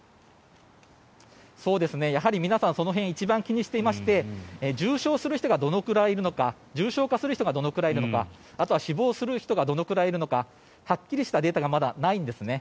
やはり、皆さんその辺一番気にしていまして重症化する人がどれくらいいるのかあとは死亡する人がどのくらいいるのかはっきりしたデータがまだないんです。